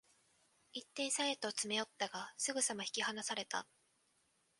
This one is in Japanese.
一点差へと詰め寄ったが、すぐさま引き離された